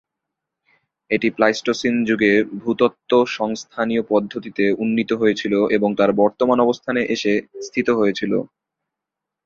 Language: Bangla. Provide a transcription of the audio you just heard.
এটি প্লাইস্টোসিন যুগে ভূত্বক সংস্থানীয় পদ্ধতিতে উন্নীত হয়েছিল এবং তার বর্তমান অবস্থানে এসে স্থিত হয়েছিল।